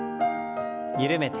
緩めて。